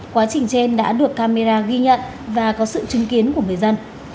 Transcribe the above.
quá trình trên đã được camera ghi nhận và có sự chứng kiến của người dân